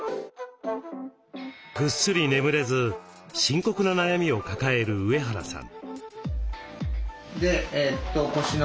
ぐっすり眠れず深刻な悩みを抱える上原さん。